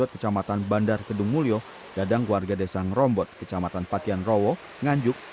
kau gak mesti kau